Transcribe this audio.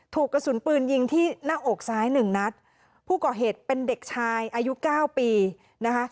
ถูกกระสุนปืนยิงที่หน้าอกซ้ายหนึ่งนัดผู้ก่อเหตุเป็นเด็กชายอายุเก้าปีนะคะ